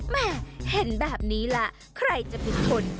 แม่เห็นแบบนี้แล้วใครจะผิดคน